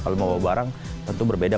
kalau membawa barang tentu berbeda